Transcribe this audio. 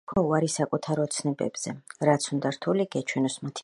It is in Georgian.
არასოდეს თქვა უარი საკუთარ ოცნებებზე, რაც უნდა რთული გეჩვენოს მათი მიღწევა.